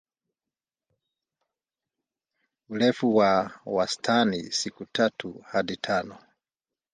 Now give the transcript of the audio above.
Urefu wa wastani siku tatu hadi tano.